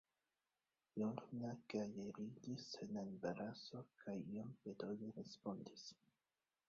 Lorna gaje ridis sen embaraso kaj iom petole respondis: